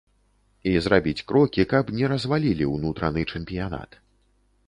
І зрабіць крокі, каб не развалілі ўнутраны чэмпіянат.